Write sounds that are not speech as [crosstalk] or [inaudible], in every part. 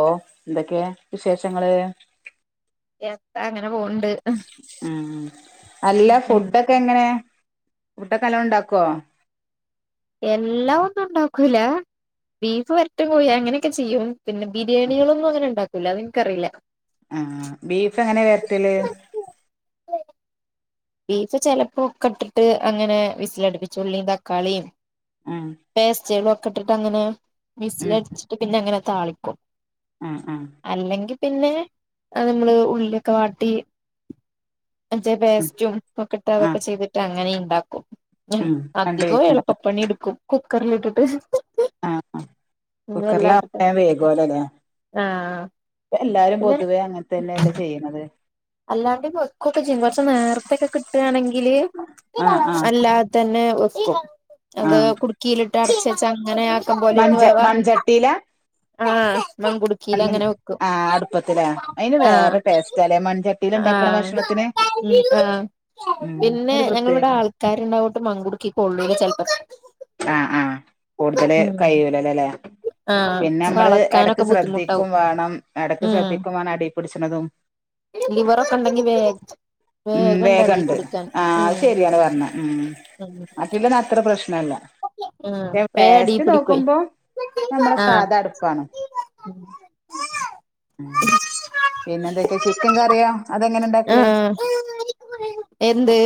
ലോഎന്തക്കെയ വിശേഷങ്ങള് എ ത്താ അങ്ങനെ പോണ് ണ്ട് ഉം അല്ല ഉം ഫുഡൊക്കെ എങ്ങനെയാ ഫുഡൊക്കെ നല്ലോണ്ടാക്കോ എല്ലാം ഒന്നും ണ്ടാക്കൂല ബീഫ് വരട്ടും കോഴി അങ്ങനെക്കെ ചെയ്യും പിന്നെ ബിരിയാണികളൊന്നും അങ്ങനെണ്ടാക്കൂല്ല അത് ഇൻക്കറീല ആഹ് ബീഫ് എങ്ങനെ വെര്ട്ടല് ബീഫ് ചെലപ്പോ ഒക്കട്ടിട്ട് അങ്ങനെ വിസിലടിപ്പിച്ച് ഉള്ളീം തക്കാളീം ആഹ് പേസ്റ്റിളൊക്കെ ഇട്ടിട്ട് അങ്ങനെ മിക്സിലടിച്ചിട്ട് പിന്നെ അങ്ങനെ താളിക്കും ആഹ് ആഹ് അല്ലെങ്കിപിന്നെനമ്മള് ഉള്ളിഒക്കെ വാട്ടി [unintelligible] ഉം റ്റും ഒക്കെ ട്ട് ആ അതൊക്കെ ചെയ്തിട്ട് അങ്ങനെയിണ്ടാക്കും ഞ്ഞു ഉം രണ്ട് അധികും പേരുണ്ടാവും എളുപ്പപ്പണി ഇട്ക്കും കുക്കറില്ഇട്ട്ട്ട് ആഹ് ആഹ് കുക്കറിലാവു വേ വേഗോ ലേല്ലേ ആഹ് എല്ലാരും പിന്നെ പൊതുവെ അങ്ങൻ തന്നെ ല്ലേ ചെയ്യ്ണത് അല്ലാ ണ്ടി വെക്കൊക്കെ ചെയ്യും പക്ഷെ നേർത്തക്കെകിട്ടാണെങ്കി ങ്കില് ആ ആ അല്ലാതെ തന്നെ വെക്കും ആ അത് കുടുക്കിയിലിട്ട് അടചെച്ച അങ്ങനെ ആക്കപോലെര്ന്ന് മൺച വേവാ മൺചട്ടിയിലാ ആഹ് മങ്കുട് മണ്ണ്ൻ ആഹ് അടുപ്പത്ത്ലേഅയ്ന് ആഹ് വേറ ടേസ്റ്റാ ലേ മൺച ആഹ് ആ മ് ആഹ് ഉം പിന്നെ ഒരു ഞങ്ങള്‌ പ്രത്യേക വടെ ആൾ ക്കാര് ണ്ടാവോട്ട് മങ്കുടുക്കി കൊള്ളൂല ചെൽപം ആഹ് ആഹ് കൂടുതല് കയൂലല്ലോല്ലേ ആഹ് അപ്പൊ പിന്നെമ്മള് എടക്ക് അളക്കാനൊക്കെ ബുദ്ധിമുട്ടാവും ശ്രദ്ധിക്കുംവാണം എടക്ക് ശ്രദ്ധിക്കുംവാണംഅടി പിടിച്ച്ണതും ലിവറൊക്കെണ്ടങ്കിവേ ഉം വേഗണ്ട് ആ ഉം അയ് ശെരിണ് പർഞ്ഞെ ഉം ഉം മറ്റി ലൊന്നും അത്രപ്രശ്നല്ല ആഹ് വേ അടീ പിടികൊയ് നമ്മളെ ആഹ് സാധാ അടുപ്പാണ് മ് പിന്നെന്തൊക്കെ ചിക്കൻകറിയോ അതെങ്ങനെണ്ടാക്കല് ആഹ് എന്ത്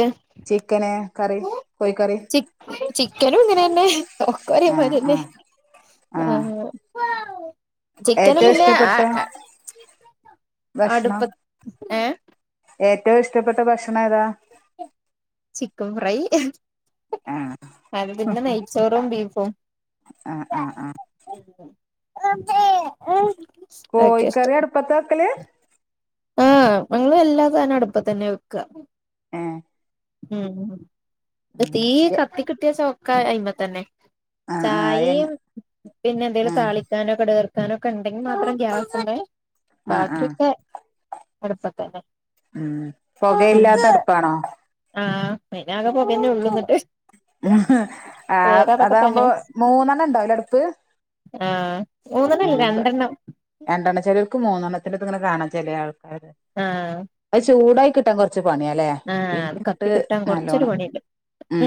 ചിക്കന് കറി കോഴിക്കറി ച്ചിക് ച്ചിക് [unintelligible] ഇങ്ങനെന്നെ ഒക്കെ ആഹ് ഒരേമതിരിനെ ആഹ് ആ ആഹ് ചിക്കനും ഏറ്റവും പിന്നെആ ആ ഭക്ഷ്ണം ഏഹ് ഏറ്റവും ഇഷ്ടപ്പെട്ട ഭക്ഷണേതാ ചിക്കൻ ഫ്രൈ ആഹ് അത് പിന്നെ നെയ്ച്ചോറും ബീഫും ആഹ് ആഹ് ആഹ് [inaudible] ഇഷ്ടം കോയിക്കറി അട്പത്താ വെക്കല് ആഹ് ഞങ്ങള് എല്ലാസാനം അടുപ്പത്തന്ന്യാ വെക്ക ഏഹ് ഉം തീ കത്തി കിട്ട്യാചോക്ക അയ്മ തന്നെ ആഹ് ആഹ് എ ചായേം പിന്നെന്തേലും ആഹ് താളി ക്കാനോ കട്കർക്കാനോക്കെണ്ടെങ്കി മാത്രം ഗ്യാസ്മ്മെ ആഹ് ആഹ് ബാക്കിഒക്കെ അട്പ്പത്തന്നെ ഉം പൊകയില്ലാത്തട്പ്പാണോ ആഹ് അയ്ലാകെ പൊകന്നെള്ളൂന്നിട്ട് ആ അതാവുമ്പോ തന്നെ മൂന്നെണ്ണംണ്ടാവൂലേ അട്പ്പ് ആഹ് മൂന്നെണ്ണല്ല രണ്ടെണ്ണം രണ്ടെണ്ണം ചെലൊര്ക്ക് മൂന്നെണ്ണത്തിൻ്റെത്ങ്ങനെ കാണാ ചെലെ ആൾക്കാരെ ആഹ് അയ്ചൂടായി കിട്ടാൻ കൊർച്ച് പണിയാല്ലേ ആഹ് അത് പിന്നെങ്ങോട്ട് കത്തി കിട്ടാൻ കൊറച്ചൊരു നല്ലോണം പണിണ്ട് ഉം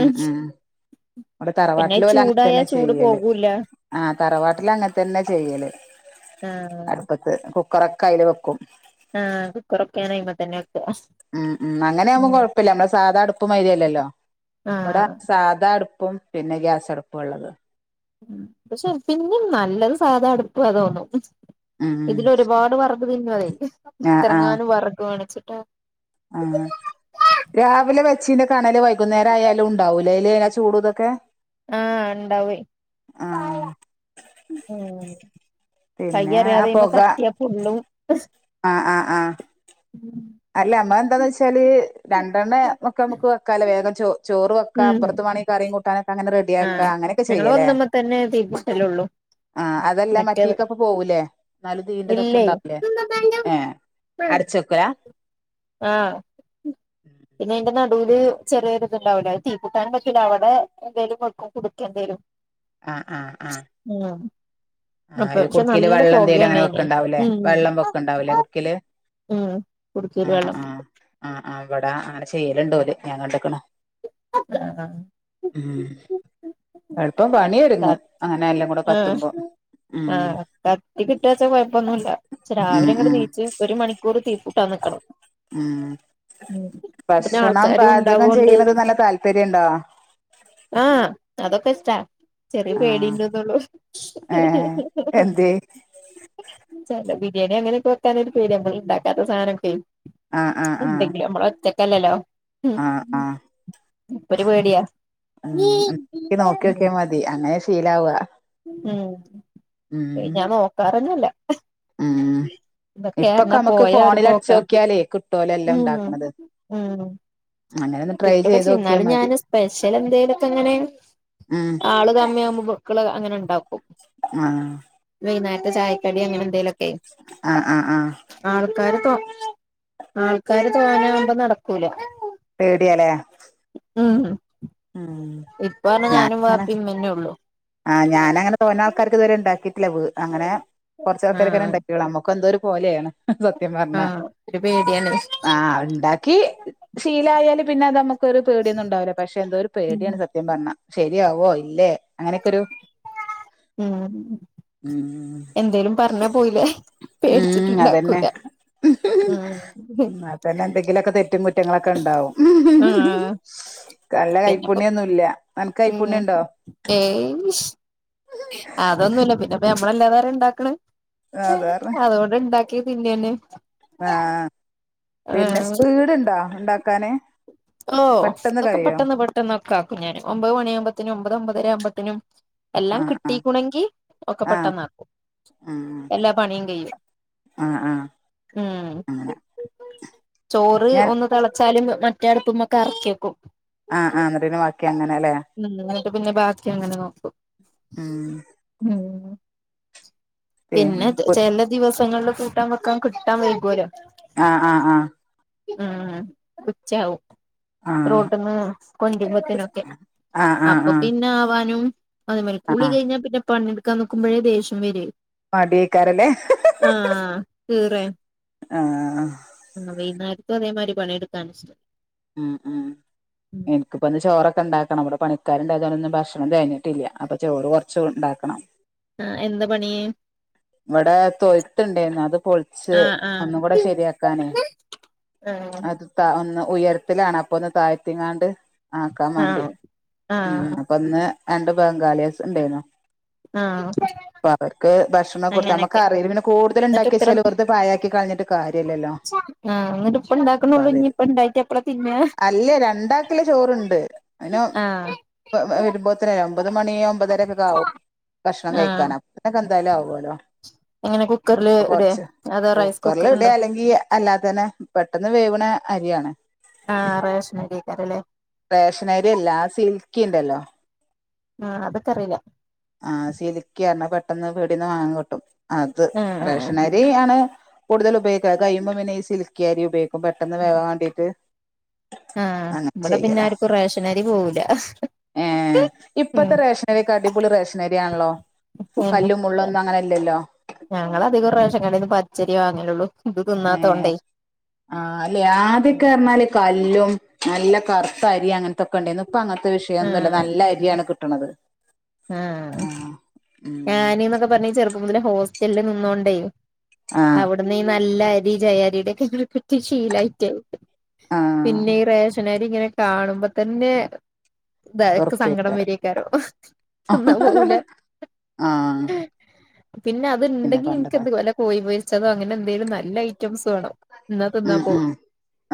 ഇവടെ പിന്നെ തറവാട്ടിലോല്ല് ചൂടായാ അങ്ങൻതന്നെ ചൂട് ചെയ്യല് പോകൂല്ല ആ തറവാട്ടില് അങ്ങൻതന്നെ ചെയ്യല് ആഹ് അടുപ്പത്ത് കുക്കറൊക്കെ അയ്ല് വെക്കും ആഹ് കുക്കറൊക്കെ ഞാനയ്മെത്തന്നെ വെക്കും ഉം ഉം അങ്ങനെ ആവുമ്പോ കുഴപ്പല്ല, നമ്മുടെ സാധാ അടുപ്പ് മാരിയല്ലല്ലോ. ഇവിടെ ആഹ് സാധാ അടുപ്പും പിന്നെ ഗ്യാസടുപ്പ്വാ ഉള്ളത്. പക്ഷെ പിന്നിം നല്ലത് സാധ അടുപ്പാ തോന്നും ഉം ഇതിലൊരുപാട് വർ അത് പിന്നതെ ആഹ് ആഹ് എത്രങ്ങാനും വിറക് വേണച്ചിട്ടാ. ആഹ് രാവിലെ വെച്ചീൻ്റെ കണല് വൈ കുന്നേരായാലും ഉണ്ടാവൂലേ അയില് ആ ചൂടൂതൊക്കെ ആഹ്, ഉണ്ടാവ്വേ ആഹ് ഉം പിന്നെ ആ കയ്യറിയാതെ അതിന്മേൽ പൊക തട്ടിയാ പൊള്ളും. ആഹ് ആഹ് ആഹ് ഉം അല്ല ഞമ്മളന്താന്ന് വെച്ചാല് രണ്ടെണ്ണേ ഒക്കെ നമ്മുക്ക് വെക്കാലേ, വേഗം ചോ ചോറ് വെക്കാ ഉം അപ്പറത്ത് വാണെ കറിം കൂട്ടാനൊ ക്കങ്ങനെ റെഡി ആക്ക, ആഹ് അങ്ങനെയൊക്കെ ഞങ്ങള് ചെയ്യലേ, ഒന്നുമ്മെ തന്നെ തീപിടിച്ചലൊള്ളൂ ആഹ് അതല്ല മറ്റേത് മറ്റേക്കപ് പോകൂലേ ന്നാലും തീയിന്റെതൊക്കെ ഇല്ലേ ഉണ്ടാവൂലേ, ഏഹ് അടച്ചെക്ക്വ ആഹ് പിന്നെ എന്ത്ന്നാ ടില് ചെറിയൊരു ഇതുണ്ടാവൂലേ അത് തീ കൂട്ടാനും പറ്റൂല അവിടെ എന്തേലും വെക്കും കുടുക്ക എന്തേലും ആഹ് ആഹ് ആഹ്. ഉം ആഹ് അപ്പൊ ഒരു പക്ഷെ കുടുക്കേല് നല്ല വെള്ളം എന്തേലും പൊകേണ് അങ്ങനെ വെ അയ്ന് ക്കണ്ടാവൂല്ലേ ഉം വെള്ളം വെക്ക്ണ്ടാവൂലേ കുടുക്കേല് ഉം കുടുക്കേല് ആഹ് വെള്ളം ആഹ് ആഹ് ആഹ് അവിടെ അങ്ങനെ ചെയ്യലുണ്ടോല് ഞാൻ കണ്ടേക്കണ്. ആഹ് ഉം എളുപ്പം ത പണിയൊടുങ്ങും അങ്ങനെ എല്ലാം കൂടെ ആഹ് കത്തുമ്പോം ആഹ് കത്തി കിട്ട്യാച്ച കൊഴപ്പൊന്നുല്ല പക്ഷേ ഉം രാവിലെ ഇങ്ങട് ഉം നീച്ച് ഒരു മണിക്കൂർ തീഫും ത്താൻ നിൽക്കണം. ഉം പിന്നെ ഭക്ഷണം ആൾക്കാരും പാചകം ഉണ്ടാവോണ്ട് ചെയ്യുന്നത് നല്ല താല്പര്യണ്ടോ? ആഹ് അതൊക്കെഷ്ടാ ചെറിയ ആഹ് പേടീണ്ട്ന്നോള്ളു. ഏഹ് എന്തേ ചെല ബിരിയാണി അങ്ങനൊക്കെ വെക്കാനൊക്കെ ഒരു പേടി നമ്മള് ഉണ്ടാക്കാത്ത സാധനയൊക്കെ ആഹ് ആഹ് എന്തെങ്കിലും നമ്മള് ഒറ്റക്കല്ലല്ലോ. ആഹ് ആഹ് ആഹ് അപ്പൊരു പേടിയാ. ഉം എടക്ക് നോക്കി നോക്കിയാൽ മതി അങ്ങനെ ശീലാവാവുക ഉം ഞാൻ നോക്കാറോന്നുവില്ല ഉം ഇപ്പൊക്കെ ഇതൊക്കെയായിരുന്ന നമുക്ക് പോയാ ഒരു ഫോണിൽ പോക്ക അടിച്ചോക്കിയാലേ കിട്ടോലോ എല്ലാം ഉം ഉണ്ടാക്കണത് ഉം അങ്ങനെ ഒന്ന് ട്രൈ ഒറ്റയ്ക്ക് ചെയ്ത് നോക്കിയാ ചെന്നാലും മതി ഞാൻ സ്പെഷ്യൽ എന്തെലൊക്കെ ഇങ്ങനെ ഉം ആള് കമ്മിയാകുമ്പോ. മക്കള് അങ്ങനെ ഒണ്ടാക്കും. ആഹ് വൈകുനേരത്തെ ചായക്കടി അങ്ങനെ എന്തെലൊക്കെ. ആഹ് ആഹ് ആഹ് ആൾക്കാര് തോ ആൾക്കാര് തോനെയാവുമ്പോ നടക്കുവല്ലോ പേടിയാലേ. ഉം ഉം ഇപ്പ ആന്ന് ഞാനും വാപ്പി ഉമ്മിന്നെള്ളു. ആ ഞാനങ്ങനെ തോനെ ആൾക്കാർക്ക് ഇതുവരെ ഒണ്ടാക്കിട്ടില്ല, അങ്ങനെ കൊറച്ച് ആൾക്കാർക്കെ ആഹ് ഒണ്ടാക്കിട്ടോള്ളു നമ്മക്ക്- ഇപ്പ എന്തോരു പോലെണ് സത്യം പറഞ്ഞാ. ആഹ് ഒരു പേടിയാണ് ആഹ് ഉണ്ടാക്കി ശീലായാല് പിന്നെ അത് നമുക്കൊരു പേടിയൊന്നും ഉണ്ടാവില്ല, പക്ഷെ എന്തോ ഒരു പേടിയാണ് സത്യം- സത്യം പറഞ്ഞ ശരിയാവോ ഇല്ലേ അങ്ങനെക്കെ ഒരു - ഉം എന്തേലും പറഞ്ഞാ പോയില്ലേ. പേടിച്ചിട്ട് ഉം അതന്നെ ഉണ്ടാക്കുല ഉം. ഇത് തന്നെ എന്തെങ്കിലൊക്കെ തെറ്റും കുറ്റങ്ങളൊക്കെ ഇണ്ടാവും. ആഹ് എന്ക്ക് നല്ല പിന്നെപ്പോ കൈപ്പുണ്യം ഒന്നും ഇല്ല നെനക്ക് ഉം കൈപ്പുണ്യം ഉണ്ടോ ഏയ് അതൊന്നുമില്ല പിന്നെയിപ്പ ഞമ്മളല്ലാതാര ഇണ്ടാക്കണ് അതാര [unintelligible] ഇ ഇണ്ടാക്കിയ തിന്നതന്നേ ആഹ് പിന്നെ സ്പീട് ഇണ്ടോ ഉണ്ടാക്കാന് ഓഹ് പെട്ടെന്ന് അതൊക്കെ കഴിയോ പെട്ടെന്ന് പെട്ടെന്ന് ഒക്കെ ആക്കും ഞാൻ ഒമ്പത് മണിയ ആകുമ്പോത്തനും ഒമ്പത് ഒമ്പതര ആകുമ്പോത്തനും- എല്ലാം ആഹ് ആഹ് കിട്ടീക്കുണമെങ്കി ഒക്കെ ആഹ് പെട്ടന്ന് ആക്കും ആഹ് ആഹ് ആഹ് ഉം അങ്ങനെ ചോറ് ഞാൻ ഒന്ന് തെളച്ചാലും മ- മറ്റെ അടുപ്പുമൊക്കെ എറക്കിവെക്കും ആഹ് ആഹ് അന്നേരം പിന്നെ ബാക്കി അങ്ങനെയാല്ലേ ഉം നിങ്ങളൊക്കെ പിന്നെ ബാക്കി അങ്ങനെ നോക്കും ഉം ഉം പിന്നെ ചെല ദിവസങ്ങളില് കൂട്ടാൻ വെക്കാൻ കിട്ടാൻ വൈകുല്ലോ ആഹ് ആഹ് ആഹ് ഉം ഉച്ചയാവും ആഹ് റോടിന്ന് കൊണ്ടുമ്പത്തിനൊക്കെ ആഹ് ആഹ് അപ്പൊ ആഹ് ആഹ് പിന്നെ ആവാനും- അതെ മാതിരി ആഹ് കുളികഴിഞ്ഞാ പിന്നെ പണിയെടുക്കാ നോക്കുമ്പോഴേ ദേഷ്യം വരുവേ മടിയക്കാരല്ലേ ആഹ് കീറുവേ ആഹ് ആ വൈകുനേരത്തും അതേമാതിരി പണിയെടുക്കാൻ- ആഹ് ആഹ് ഇപ്പൊന്ന് ചോറൊക്കെ ഒണ്ടാക്കണം ഇവിടെ പണിക്കാരുണ്ടായത് കാരണം ഇവിടെ ഭക്ഷണം തെകഞ്ഞിട്ടില്ല അപ്പോ ചോറ് കൊറച്ച് ഒണ്ടാക്കണം ആ എന്താ പണി ഇവിടെ തോയിത്തുയുണ്ടായിരുന്നു അത് പോളി- ആഹ് ഒന്നു കൂടെ ശരിയാക്കാനേ അത് ആഹ് ഒന്ന് ഉയരത്തിലാണ് അപ്പൊ ഒന്ന് താഴ്ത്തിങ്ങാണ്ട് ആക്കാൻ വേണ്ടി ആഹ് ഉം ആഹ് ഒന്ന് രണ്ട് ബംഗാളിസ് ഉണ്ടായിരുന്നു ആഹ് അപ്പൊ അവർക്ക് ഭക്ഷണം- അങ്ങനെയൊക്കെ കറി [unintelligible] കൂടുതല എന്നിട്ട് ഉണ്ടാക്കി ഇത്ര വെച്ചാൽ വെറുതെ പായക്കി കളിഞ്ഞിട്ട് കാര്യല്ലല്ലോ ആ എന്നിട്ട് ഇപ്പ ഇണ്ടാക്കണള്ളൂ ഇനി [unintelligible] ഇപ്പ ഇണ്ടായിട്ട് എപ്പളാ തിന്ന അല്ല രണ്ടാക്കില ചോറുണ്ട് അന ആഹ് വരുമ്പോത്രയാ ഒമ്പത് മണിയ ഒമ്പതരൊക്കെ ആവും കക്ഷണം ആഹ് കഴിക്കാൻ അപ്പൊതെക്ക് എന്തായാലും ആവുമല്ലോ എങ്ങനെ കുക്കറില് ഇടെ കൊറച്ച് അതോ റൈസ് കുക്കറിൽ കുക്കർ ഇടെ ഉണ്ടോ അല്ലെങ്കി അല്ലാതെ തന്നെ പെട്ടന്ന് വേവണ അരിയാണ് ആഹ് റേഷൻ അരി ക്കരല്ലേ റേഷനരി അല്ല സിൽക്കി ഉണ്ടല്ലോ ആഹ് അതക്ക അറിയില്ല ആഹ് സിൽക്കി ആന്ന പെട്ടന്ന് പീടികെന്ന് വാങ്ങാൻ കിട്ടും അത് ആഹ് ആഹ് റേഷന രി ആണ് കൂടുതൽ ഉപയോഗിക്ക കഴിയുമ്പോം പിന്നെ ഈ സിൽക്ക് അരി ഉപയോഗിക്കും പെട്ടെന്ന് വേവാൻ വേണ്ടിട്ട് ആഹ് ഇവിടെ പിന്നെ ആർക്കും റേഷനരി പോവൂല ഏഹ് ഉം ഇപ്പഴത്തെ റേഷനരി ക അടിപൊളി റേഷനരി ണല്ലോ പിന്നെ കല്ലും മുള്ളും ഒന്നും അങ്ങനെ ഇല്ലല്ലോ ഞങ്ങളധികം റേഷൻ കടേന്നു പച്ചരി വാങ്ങലുള്ളൂ ഇത് ഏ തിന്നാത്തോണ്ടേ ആ അല്ലെ ആദ്യൊക്കെ മല കല്ലും നല്ല കറുത്ത അരി അങ്ങനത്തൊക്കെ ഉണ്ടായിരുന്നു ഇപ്പ അങ്ങനത്തെ വിഷയൊന്നുമല്ല ആഹ് നല്ല അരിയാണ് കിട്ടണത് ആഹ് ഉം ഞാനീന്നൊക്കെ പറഞ്ഞ ഈ ചെറുപ്പം മുതലെ ഹോസ്റ്റലില് നിന്നോണ്ടേ ആഹ് അവിടന്ന് ഈ നല്ല അരി ജയാരിയുടെ ശീലായിട്ട് പിന്നെ ആഹ് ഈ റേേഷനരി ഇങ്ങനെ കാണുമ്പോ തന്നെ ബാക്ക് സങ്കടം ഉറപ്പേക്കാരം വരിയക്കാരോ തിന്നാൻ പോവൂല ആഹ് പിന്നെ പിന്നെ അത്ണ്ടെങ്കിൽ നിക്ക് പണ്ടൊക്കെ എന്ത് വല്ല കോയി പോരിച്ചതോ അങ്ങനെ എന്തേലും നല്ല ഐറ്റംസ് വേണം എന്നാ തിന്നാ ഉം പോവും ഉം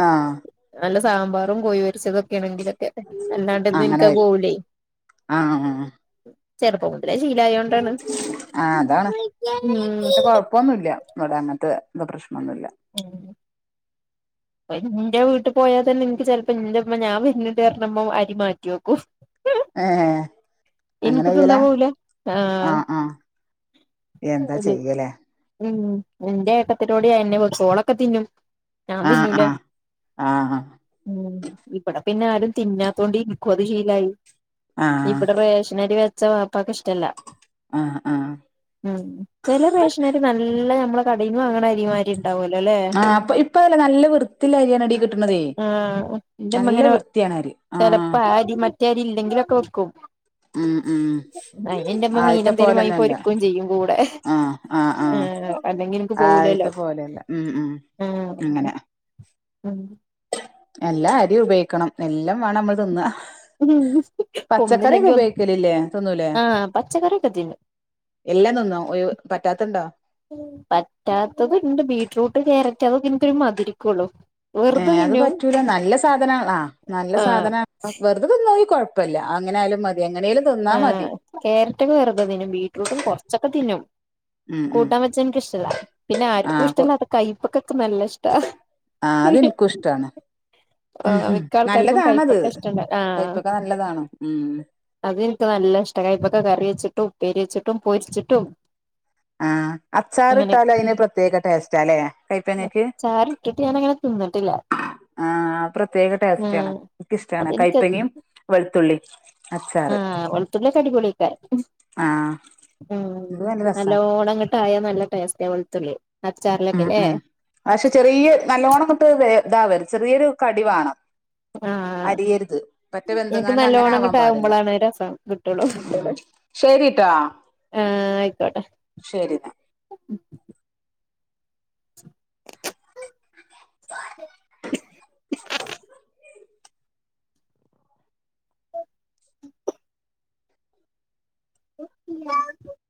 ആഹ് നല്ല സാമ്പാറും കോയി പൊരിച്ചതൊക്കെയാണെങ്കിലൊക്കെ അല്ലാണ്ടന്നും അങ്ങനെ എനക്കത് കഴിക്കും പോവൂലേ ആഹ് ചെറുപ്പ മുതലേ ശീലയോണ്ടാണ് മ് പ്പൊന്നുല്ല ഇവിടെ അങ്ങനത്തെ എന്ത പ്രശ്നമൊന്നുല്ല മ് എന്റെ വീട്ടിൽ പോയാൽ തന്നെ എനിക്ക് ചിലപ്പോ ഇന്റെമ്മ ഞാൻ വരിന്നതാരണമ്മ അരി മാറ്റി വെക്കും ഏഹ് അങ്ങനെ ചെയ്യലാ എനക്ക്തിന്നാവൂല്ല ആഹ് എന്താ അത് ചെയ്യലേ ഉം എന്റെ ഏട്ടത്തിലോടെ എന്നെ ഓളൊക്കെ തിന്നും ഞാൻ ആഹ് തിന്നൂല ആഹ് ആഹ് ഉം ഇവിടെ പിന്നെ ആരും തിന്നാത്തോണ്ട് നിക്കത് ശീലായി ആഹ് ഇവിടെ റേ ക്ഷണരി വെച്ച വപ്പാക്ക് ഇഷ്ടല്ല ആഹ് ആഹ്. ഉം ചില റേഷനരി നല്ല നമ്മളെ കടയിന് വാങ്ങന അരിമാരിണ്ട് ണ്ടാവല അല്ലേ ആഹ് അപ്പ ഇപ്പ അതല്ല നല്ല വൃത്തിയുള്ള അരിയാണടി കിട്ടണതേ ആഹ് എന്റെമ്മ നല്ല ഇങ്ങനെ വൃത്തിയാണ് അരി ആഹ് ചെലപ്പോ ആ അരി മറ്റേ അരി ഇല്ലെങ്കിലൊക്കെ വെക്കും ഉം ഉം അ എന്റെമ്മ ആദ്യത്തെ മീനന്തേലും വാങ്ങി പോലൊന്നല്ല പൊരുക്കയും ചെയ്യും കൂടെ ആഹ് അല്ലെങ്കിലും പോവൂലല്ലോ ആദ്യത്തെ പോലെയല്ല ഉം ഉം ആഹ് അങ്ങനെ ഉം എല്ലാം അരിയും ഉപയോഗിക്കണം എല്ലാം വേണം നമ്മള് തിന്നാം. ഉം ഒന്നില്ലങ്ക ഒന്ന് തിന്നൂലേ ആഹ് പച്ചക്കറിക്കെ തിന്നും. എല്ലാം തിന്നോ ഒരു പറ്റാത്തണ്ടോ പറ്റാത്തത് ഇണ്ട് ബീറ്റ്റൂട്ട് ക്യാരറ്റ് അതൊക്കെ എനിക്കൊരു മതിരിക്കുള്ളു ഏഹ് അത് പറ്റൂല നല്ല സാധന ആ നല്ല ആ സാധന വെറുതെതിന്നോയി കൊഴപ്പല്ല അങ്ങനൊയാലും മതി എങ്ങനെലും തിന്നാൽ മതി കേരാറ്റൊക്കേ വെറുതെ തിന്നും ബീറ്റ്റൂട്ടും കുറച്ചൊക്കെ തിന്നും ഉം ഉം കൂട്ടാവച്ചനിക്ക ഇഷ്ടല്ല പിന്നെ ആ ആർക്കും ഇഷ്ടല്ലത്ത കൈപ്പൊക്കൊക്കെ നല്ല ഇഷ്ടാ ആ അതെനിക്കും ഇഷ്ടാണ് ആ ഉം മിക്ക ആൾക്കാർക്കും നല്ലതാണത് കൈപ്പക്ക ഇഷ്ടണ്ട കയപ്പക്കെ നല്ല നല്ലതാണ് ഉം. അതെനിക്ക് നല്ല ഇഷ്ടാ കൈപ്പക്ക കറി വെച്ചിട്ടും ഉപ്പേരി വെച്ചിട്ടും പൊരിച്ചിട്ടും അഹ് അച്ചാർ ഇട്ടാലോ അതിന് പ്രത്യേക ടേസ്റ്റ് അല്ലേ ചാറിയിട്ടിട്ട് ഞാന അങ്ങനെ തിന്നിട്ടില്ല ആഹ് പ്രത്യേക ആ ടെസ്റ്റാണ് എനിക്കിഷ്ടമാണ് അതെനിക്ക് കൈപ്പങ്ങയും വെളുത്തുള്ളിയും. ആഹ് വളുത്തുള്ളിയൊക്കെ അടികൊളിക്ക ആ ഉം ഇത് രസാ നല്ല ഓണങ്ങിട്ടയാ നല്ല ടേസ്റ്റ് ആ വെളുത്തുള്ളി ഉം അച്ചാറിലൊക്കെല്ലേ ഉം പക്ഷെ ചെറിയ നല്ലവണങ്ങിട്ട് വേ ഇതാ വരും ചെറിയൊരു കടിവണം ആഹ് അരിയരുത് മറ്റേ എനിക്ക് വെന്തങ്ങാണ്ട് അങ്ങനെ ആവാൻ പാടില്ല നല്ലോണംങ്ങട്ടാവുമ്പളാണ് രസം കിട്ടുള്ളൂ ശരിട്ടാ ആഹ് ആയിക്കോട്ടെ ശരിന്നാ [inaudible] [unintelligible]